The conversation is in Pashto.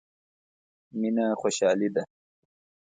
مينه خوشالي ده.